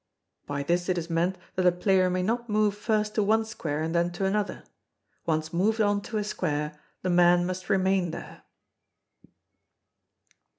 [By this it is meant that a player may not move first to one square and then to another. Once moved on to a square, the man must remain there.